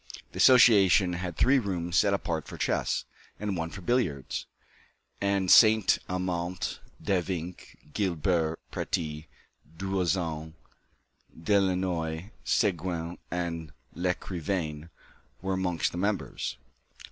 The association had three rooms set apart for chess, and one for billiards, and Saint Amant, Devinck, Guibert, Préti, Doazan, Delannoy, Seguin and Lecrivain were amongst the members.